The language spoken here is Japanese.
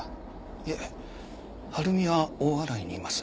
いえ晴美は大洗にいます。